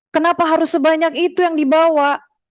kenapa harus sebanyak itu yang dibawa